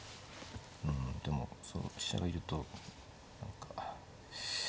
うんでもその飛車がいると何か。